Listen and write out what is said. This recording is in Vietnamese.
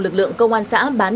lực lượng công an xã bán